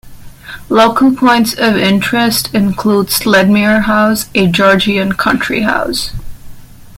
Local points of interest include Sledmere House, a Georgian country house.